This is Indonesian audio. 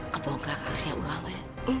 kebongkak kasih ya orang ya